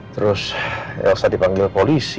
terus elsa dipanggil polisi